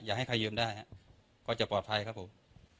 อยากให้ใครเยินได้ฮะก็จะปลอดภัยครับผม